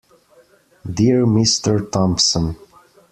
Dear Mr Thompson.